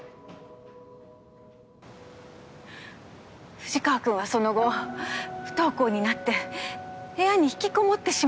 藤川君はその後不登校になって部屋に引きこもってしまった。